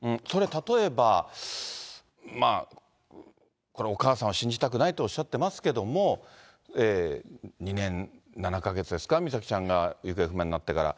例えば、まあ、これ、お母さんは信じたくないとおっしゃってますけども、２年７か月ですか、美咲ちゃんが行方不明になってから。